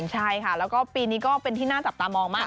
ใช่ค่ะแล้วก็ปีนี้ก็เป็นที่น่าจับตามองมาก